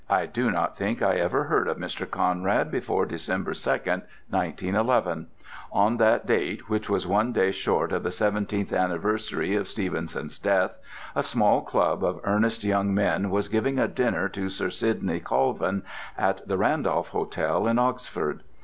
I do not think I ever heard of Mr. Conrad before December 2, 1911. On that date, which was one day short of the seventeenth anniversary of Stevenson's death, a small club of earnest young men was giving a dinner to Sir Sidney Colvin at the Randolph Hotel in Oxford.